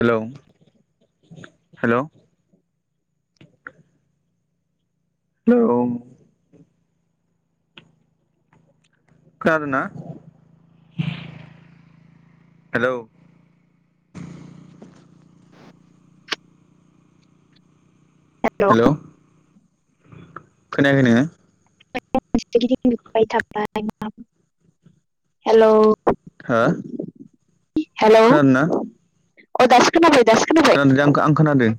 हेल' hello hello खोनादों ना? Hello hello hello खोनायाखै नोङो? [unintelligible] हेलौ खोनादों ना? औ दासो खोनाबाय दासो खोनाबाय खोनादों दा आं आं खोनादों।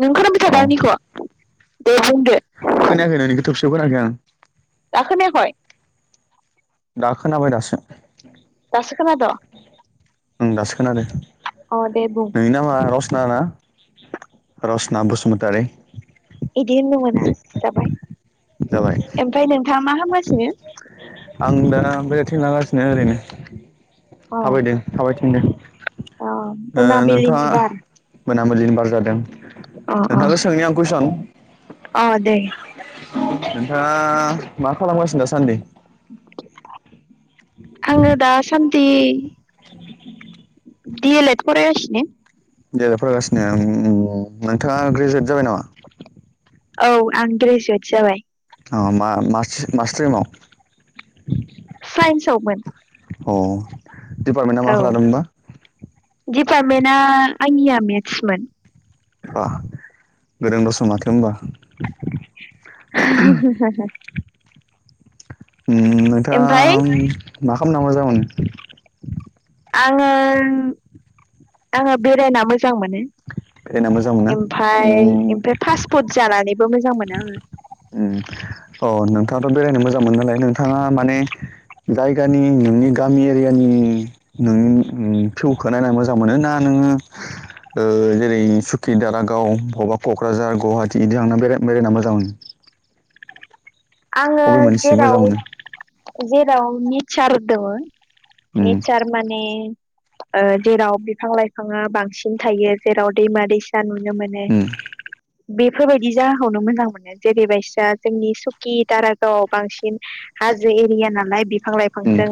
नों खोनाबाय थादों औ आंनिखौ दे बुंदो नोंखौ होनाखै आं दा खोनायाखै? दाखोनाबाय दासो। दासो खोनादों? उम दासो खोनादों। अ दे बुं ना ना रसना बसुमतारी इदि होननो मोना जाबाय जाबाय ओमफ्राय नोंथाङा मा हामगासिनो? आं दा बेरायथिंला गासिनो ओरैनो अ थाबायदों थाबाय थिनदों अ ओ मोनाबिलिनि नोंथाङा बार मोनाबिलिनि बार जादों? अ अ नोंथांखौ सोंनि आं कुइचन अ दे नोंथाङा मा खालामगासिनो दासान्दि? आङो दा सान्दि [inaudible] डी एल एड फरायगासिनो [unintelligible] फरायगासिनो उम उम नोंथाङा ग्रेजुवेट जाबाय नामा? औ आं ग्रेजुवेट जाबाय। अ मा मासि मा स्ट्रीमाव? साइन्सआव मोन अ दिडपार्टमेन्टआ मा औ लादोंबा दिडपार्टमेन्टआ आंनिया मेथ्समोन बा गोरों दस माथो होमबा [inaudible] उम ओमफ्राय नोंथाङां मा खालामना मोजां मोनो? आङो आङो बेरायना मोजां मोनो। बेरायना मोजां मोनो उम ओमफाय ओमफाय फास्ट फुद जानानैबो मोजां मोनो आङो। अम अ नोंथाङाथ' बेरायनो मोजां मोनो नालाय नोंथाङा माने जायगानि नोंनि गामि एरियानि नोंनि फिउखौ नायना मोजां मोनो ना? नोङो ओ जेरै सुकि दारागाव बबावबा क'क्राझार गुवाहाटि बिदि थांना बेराय -बेरायना मोजां मोनो? आङो अबे मोनसे मोजां जेराव मोनो जेराव नेचार दं उम नेचार माने जेराव बिफां -लाइफाङा बांसिन थायो जेराव दैमा -दैसा नु -नो मोनो उम बेफोरबायदि जागाखौनो मोजां मोनो जेरैबायासा जोंनि सख कि दारागावआव बांसिन हाजो एरिया नालाय बि बिफां- उम लाइफांजों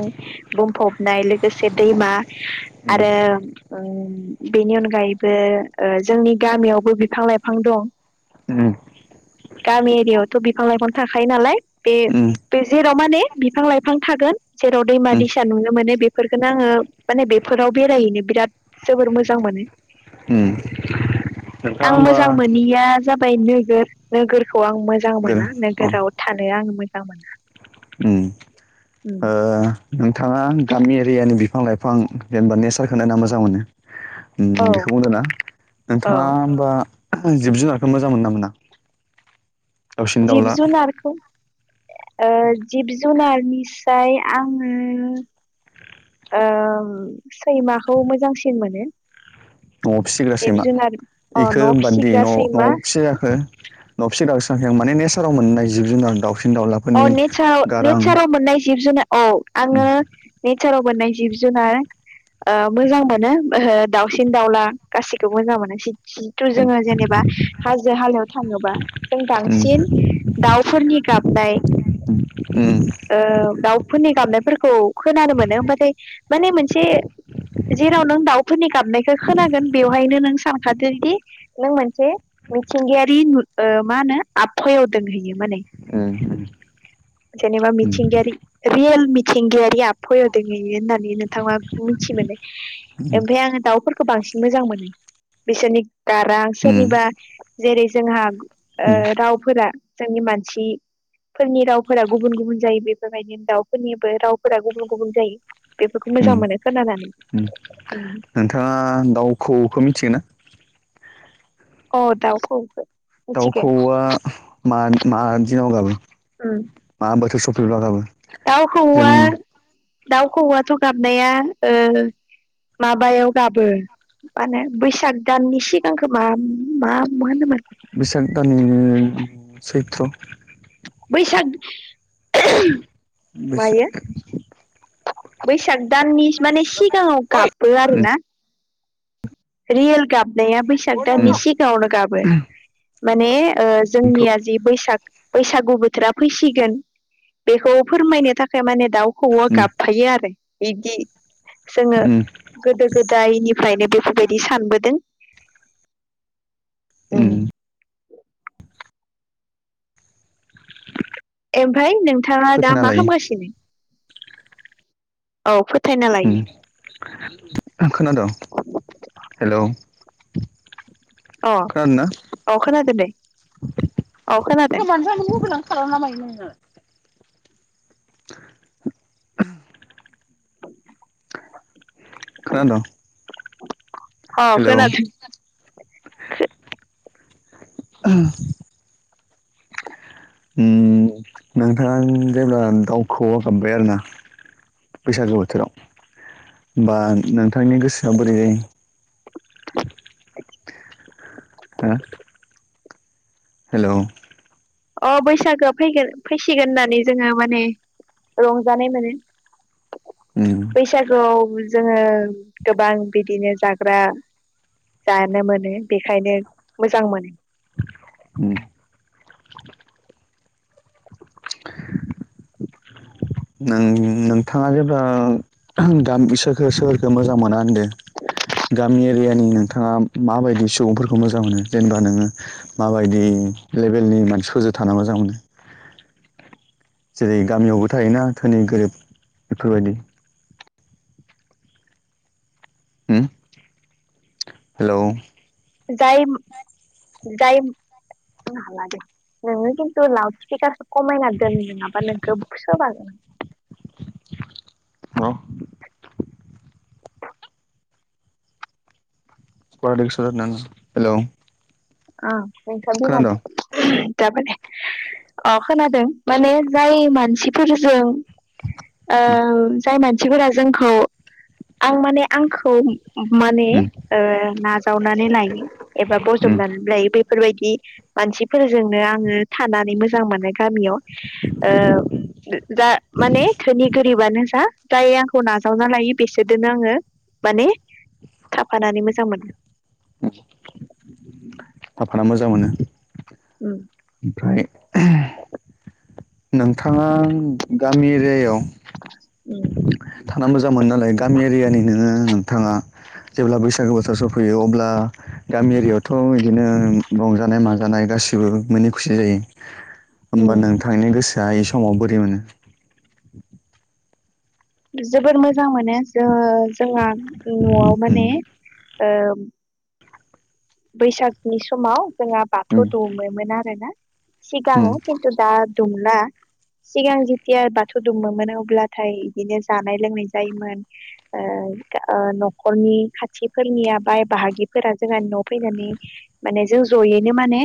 बुंफबनाय लोगोसे दैमा आरो अम बेनि अनगायैबो जोंनि गामियावबो बिफां -लाइफां दं। उम गामि एरियायावथ' बिफां -लाइफां थाखायो नालाय उम बे जेराव माने बिफां -लाइफां थागोन जेराव दैमा- उम दैसा नुनो मोनो बेफोरखौनो आङो माने बेफोराव बेरायहैनो बिराद जोबोर मोजां मोनो। उम नोंथाङा आं होमबा मोजां मोनैया जाबायनो नो नोगोरखौ आं मोजां गोरो मोना नोगोराव थानो आं मोजां मोना। अम उम ओ नोंथाङा गामि एरियानि बिफां -लाइफां जेनेबा नेचारखौ नायना मोजां मोनो। औ अम बेखौ बुंदों ना औ नोंथाङो होमबा जिब -जुनारखौ मोजां मोनो ना मोना? दाउसिन जिब दाउला -जुनारखौ ओ जिब- जुनारनि फ्राय आंड़ो ओ सैमाखौ मोजांसिन मोनो। न'आव फिसिग्रा जिब सैमा जुनार अ इखौ न' बार्डे फिसिग्रा न' सैमा न'आव फिसि जाखो नबसे गावस्रिांखां मान नेचाराव मोन्नाय जिब- जुनार दावउसिन औ नेचार- नेचाराव मोननाय जिब- जुनार औ आङो नेचाराव मोननाय जिब -जुनार मोजां मोनो ओ दावसिन -दाउला गासिखौबो मोजां मोनो जिथु जोङो जेनेबा हाजो -हालायाव थाङोबा जों उम बांसिन दाउफोरनि गाबनाय उम उम ओ दाउफोरनि गाबनाय फोरखौ खोनानो मोनो होनबाथाय माने मोनसे जेराव नों दाउफोरनि गाबनायखौ खोनांगोन बेवहायनो नों सानखादोदि नों मोनसे मिथिंगायारि नु मा होनो आबहायाव दोंहैयो माने। अम-अम। जेनेबा मिथिंगायारि रियेल मिथिंगायारि आबहावायाव दंहैयो होननानै नोंथाङा मिथि मोनो। ओमफ्राय आङो दाउफोरखौ बांसिन मोजां मोनो। बिसोरनि गारां उम सोरनिबा जेरै जोंहा उम ओ रावफोरा जोंनि मानसिफोरनि रावफोरा गुबुन -गुबुन जायो बेफोरबायदिनो दावफोरनिबो रावफोरा गुबुन- गुबुन जायो। बेफोरखौ मोजां उम मोनो खोनानानै उम अम। नोंथाङा दाउखौखौ मिथिगोना ओ दाउखौ? दाउ खौऔआ मा- मा दिनाव गाबोन मा बोथोर सफै -ब्ला गाबो? दाउ जों खौऔ -दाउ खौऔआथ' गाबनाया ओ माबायाव गाबो माने बैसाग दाननि सिगांखो मा- मा होनोमोन बिसाग दानि सैत्र। बैसाग मायो बैसोर बैसाग दाननि माने सिगांआव गाबो आरो ना। रियेल गाबनाया बैसां दानि उम सिगाङावनो गाबो माने बेथ' उम जोंनिया जि बैसाग बैसागु बोथोरा फैसिगोन बेखौ फोरमायनो थाखाय माने दाउखौऔवा गाफायो आरो [unintelligible] जोङो उम गोदो गोदायनिफ्रायनो बेफोरबायदि सानबोदों। ओं। उम ओमफ्राय नोंथाङा दा फोथायना मा लायो खालामगासिनो? औ। फोथायना लायो खोनादों? हेल'। अ अ खोनादोंदे। [unintelligible] मबाइलानो खालामोना मायो नोंना खोनाद'? अ खोनादो उम्म नोंथाङा जेब्ला दाउ खौऔ आ गाबबाय आरोना बैसागो बोथोराव ओनबा नोंथा थांनि गोसोआ बोरै जायो? हो? हेल'। अ बैसागोआ फैगोन फैसिगोन होननानै जोङो माने रंजानाय मोनो उम बैसागुआव जोङो गोबां बिदिनो जाग्रा जानो मोनो बेखायनो मोजां मोनो। उम्म। नों नोंथाङा जेब्ला गाम [unintelligible] सोरखो मोजां मोना होनदो गामि एरियानि नोंथाङा माबायदि सुबुंफोरखौ मोजां मोनो जेनेबा नोङो माबायदि लेबेलनि मानसिफोरजों थाना मोजां मोनो जेरै गामियाव थायोना धोनि गोरिब बेफोरबायदि उम्म हेल'। जाय जाय नोंङो खिन्थु लाउथ स्पिकारखो खमायना दोनो नङाबा नोंखो गोसोबागोन आं। [unintelligible] [unintelligible] हेल'। आ नोंसा बिमाजो जाबायदे अ खोनादों माने जाय मानसिफोरजों ओ जाय मानसिफोरा जोंखौ आं माने आंखौ माने उम नाजावनानै लायो एबा उम बजबनानै ला बेफोरबायदि मानसिफोरजोंनो आंङो थानानै मोजां मोनो गामियाव ओ जा माने धोनि गोरिबानो जा जाय आंखौ नाजावना लायो बिसोरजोंनो आंङो माने थाफानानै मोजां मोनो। औ फाना मोजां मोनो उम ओमफ्राय नोंथाङा गामि एरियायाव उम थाना मोजां मोनो नालाय गामि एरियानि नोङो थाङा जेब्ला बैसागो बोथोर सफैयो अब्ला गामि एरिआवथ' बिदिनो रंजानाय माजानाय गासिबो मिनि खुसि जायो। होमबा नोंथांनि गोसोआ इ समाव बोरै मोनो? जोबोर मोजां मोनो जो जोंहा न'आव उम माने ओ बैसागनि समाव जोंहा उम बाथौ दौमोन आरो ना। सिगां उम खिन्थु दा दुमला सिगां जेथिया बाथौ दुमोमोन अब्लाथाय बिदिनो जानाय लोंनाय जायोमोन ओ न'खरनि खाथिफोरनिया बाय बाहागिफोरा जोंहानि न' फैनानै माने जों जयैनो माने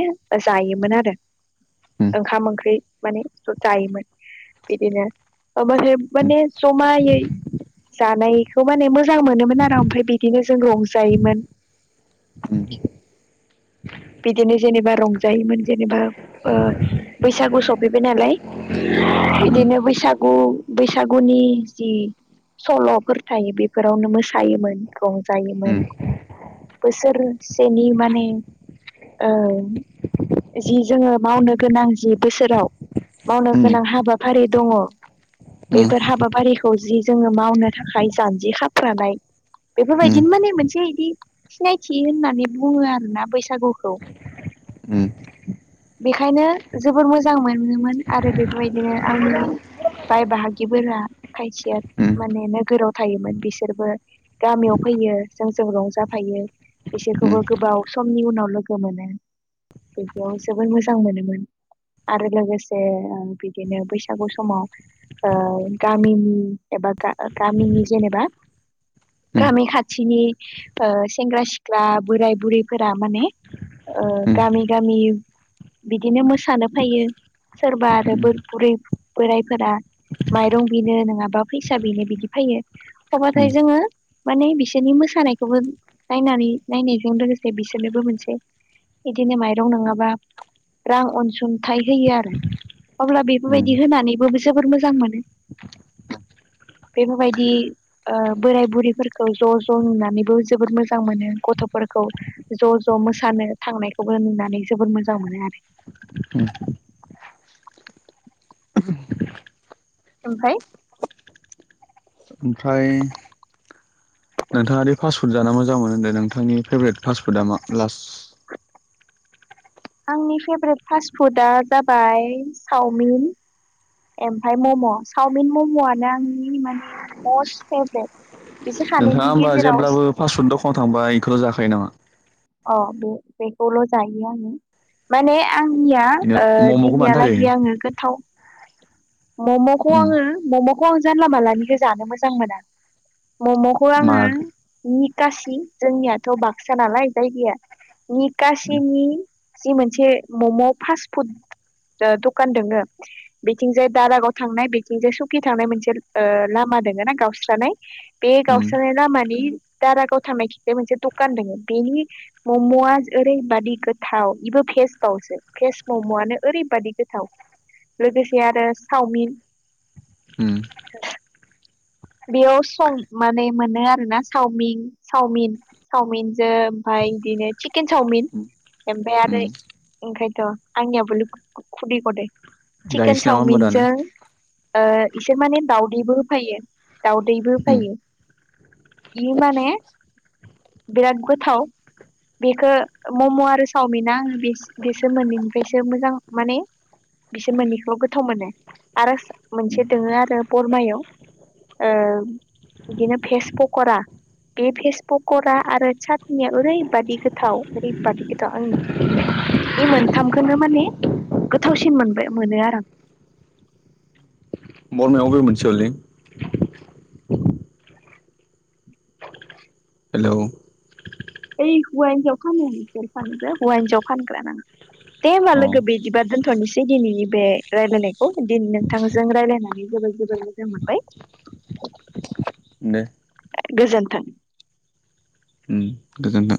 जायोमोन आरो। उम ओंखाम ओंख्रि माने जायोमोन बिदिनो ओ माने माने जमायै जानायखौ माने मोजां मोनोमोन आरो ओमफ्राय बिदिनो जों रंजायोमोन। [inaudible] [inaudible] बिदिनो जेनेबा रंजायोमोन जेनेबा ओ बैसागु सफैबाय नालाय बिदिनो बैसागु बैसागुनि जि सल'फोर थायो बेफोरावनो मोसायोमोन रंजायोमोन। बोसोरसेनि माने ओ जि जोङो मावनो गोनां जि बोसोराव मावनो उम गोनां हाबाफारि दङ बेफोर हाबाफारि खौ जि जोङो मावनो थाखाय जानजि खाफ्रानाय बेफोरबायदिनो माने मोनसे इदि सिनायथि होननानै बुङो आरोना बैसागु औ। बेखायनो जबोर मोजां मोनोमोन आरो बेफोरबायदिनो आंनि बाय बाहागिफोरा खायसेया माने नोगोराव थायोमोन बिसोरबो गामियाव फैयो जोंजों रंजाफायो बिसोरखौबो गोबाव समनि उनाव लोगो मोनो बेदियाव जोबोर मोजां मोनोमोन। आरो लोगोसे बिदिनो बैसागु समाव ओ गामिनि एबा गामिनि जेनेबा गामि खाथिनि ओ सेंग्रा सिख्ला बोराय बुरैफोरा माने ओ गामि गामि बिदिनो मोसानो फायो सोरबा आरो बुरै बोरायफोरा माइरं बिनो नङाबा फैसा बिनो बिदि फैयो अब्लाथाय जोङो माने बिसोरनि मोसानायखौबो नायनानै नायनायजों लोगोसे बिसोरनोबो मोनसे बिदिनो माइरं नङाबा रां अनसुंथाइ होयो आरो। अब्ला उम उम बेफोरबायदि होनानैबो जोबोर मोजां मोनो। [inaudible] बेफोरबायदि ओ बोराय बुरैफोरखौ ज' ज' नुनानैबो जोबोद मोजां मोनो गथ'फोर खौ ज' ज' मो सानो थांनायखौबो नुनानै जबोद मोजां मोनो आरो। [inaudible] ओमफाय ओमफ्राय नोंथाङा फासफुड जाना मो जां मोनो होनदों नोंथांनि फेभरेट फास्टफुदा मा लास आंनि फेभरेट फास्ट फुडा जाबाय चावमिन। ओमफाय मम' सावमिन मम'आनो आंनि माने मस्त फेभरेट। बिसोर नोंथाङा सानैनि होमबा गेजेराव जेब्लाबो पासपुड दखानाव थांबा इखौल' जाखायो नामा? औ बे बेखौल' जायो आङो माने आंनिया बिदिनो मम'खौ मानो थाखाय दिनैयालागै आङो गोथाव मम'खौ उम आङो मम'खौ आं जानला मानलानिखौ जानो मोजां मोना। मम'खौ मा आङो निखासि जोंनियाथ' बाक्सा नालाय जायगाया निकसिनि जि मोनसे मम' फास्ट फुड दखान दङो बेथिंजाय दारागाव थांनाय बिथिंजाय सुकि थांनाय मोनसे ओ लामा लामा दङ ना गावस्रानाय बे उम गावस्रानाय लामानि दारागावथामनाय खि मोनसे दखान दङ बेनि मम'आ ओरैबादि गोथाव बेबो फेसबावसो फेस मम'आनो ओरैबादि गोथ थाव लोगोसे आरो चावमिन उम बेयाव सं माने मोनो आरोना चावमिन चावमिन चावमिनजों ओमफाय आइ दिनो चकेन चावमिन ओमफाय आरो उम ओंखायथ' आंनियाबो खुदै गदों चिकेन जाहैसै नामा होमबा दानो चावमिनजों ओ इसोर माने दाउदैबो होफैयो दाउदैबो उम फैयो इयो माने बिराद गोथाव बेखौ मम' आरो चावमिना आङो बेस- बेसोर मोननैनिफ्रायसो मोजां माने बिसोर मोननैखौ गोथाव मोनो आरो मोनसे दोङो आरो बरमायाव ओ बिदिनो भेस पकरा बे फेसबुका आरो चाटनिया ओरैबादि गोथाव ओरैबादि गोथाव आं इ बे मोनथामबखौनो माने गोथावसिन मोनबाय मोनो आरो आं बरमायावबोे मोनसे हलै हेलौ ओय हौवा हिनजाव फानो बीसोर सानैबो हौवा हिनजाव फानग्रा ना दे होमबा अ लोगो बिदिबा दोनथ'नोसै दिनैनि बे रायलायनायखौ दिन नोंथांजों रायज्लायनानै जोबोद जोबोद मोजां मोनबाय। [inaudible] गोजोन्थों। उम गोजोनथों।